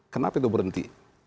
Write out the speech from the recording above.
kenapa itu berhenti